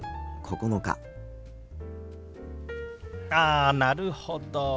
あなるほど。